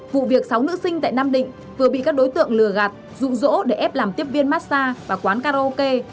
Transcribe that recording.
vụ việc sáu nữ sinh tại nam định vừa bị các đối tượng lừa gạt rụ rỗ để ép làm tiếp viên massage và quán karaoke